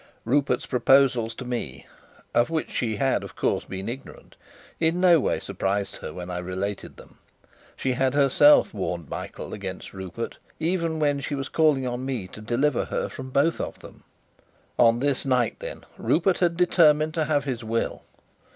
Rupert's proposals to me, of which she had, of course, been ignorant, in no way surprised her when I related them; she had herself warned Michael against Rupert, even when she was calling on me to deliver her from both of them. On this night, then, Rupert had determined to have his will.